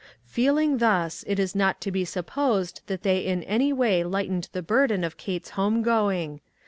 Feeling thus, it is not to be supposed that they in any way lightened the burden of Kate's home going.